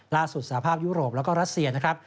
สภาพยุโรปแล้วก็รัสเซียนะครับ